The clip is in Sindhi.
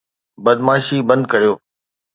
بدمعاشي بند ڪريو